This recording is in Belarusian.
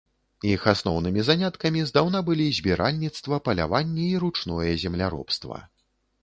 Іх асноўнымі заняткамі здаўна былі збіральніцтва, паляванне і ручное земляробства.